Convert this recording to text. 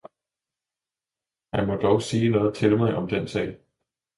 Han må dog sige noget til mig om den sag!